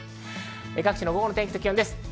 午後の天気と気温です。